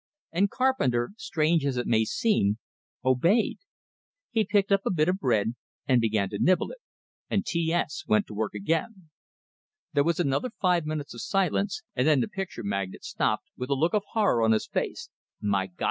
And Carpenter, strange as it may seem, obeyed. He picked up a bit of bread, and began to nibble it, and T S went to work again. There was another five minutes of silence; and then the picture magnate stopped, with a look of horror on his face. "My Gawd!